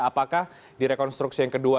apakah di rekonstruksi yang kedua